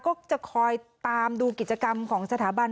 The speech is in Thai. ก็จะคอยตามดูกิจกรรมของสถาบัน